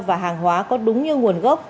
và hàng hóa có đúng như nguồn gốc